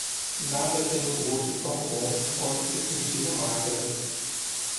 Nada tem um gosto tão bom quanto se sentir magra